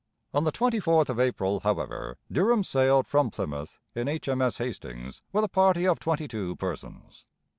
On the twenty fourth of April, however, Durham sailed from Plymouth in H.M.S. Hastings with a party of twenty two persons.